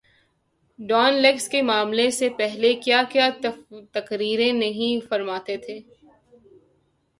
Dawn leaks کے معاملے سے پہلے کیا کیا تقریریں نہیں فرماتے تھے۔